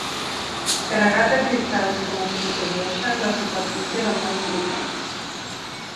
Carregat de cristalls com els protegeixen la superfície de molts líquens.